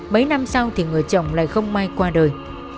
mấy năm sau thì người chồng lại không may qua đời